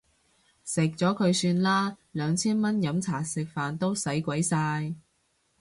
食咗佢算啦，兩千蚊飲茶食飯都使鬼晒